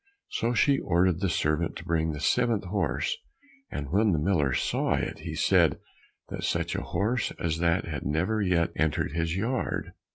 So she ordered the servant to bring the seventh horse, and when the miller saw it, he said that such a horse as that had never yet entered his yard.